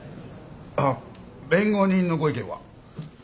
あっ弁護人のご意見は？